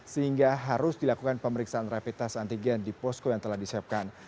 sehingga harus dilakukan pemeriksaan rapid test antigen di posko yang telah disiapkan